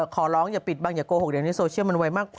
ขอร้องอย่าปิดบังอย่าโกหกเดี๋ยวในโซเชียลมันไวมากพอ